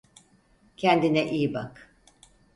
Kendine iyi bak